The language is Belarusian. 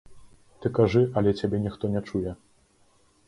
Ты кажы, але цябе ніхто не чуе.